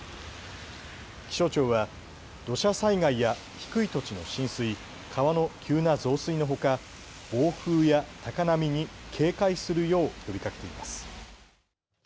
気象庁は土砂災害や低い土地の浸水、川の急な増水のほか暴風や高波に警戒するよう呼びかけています。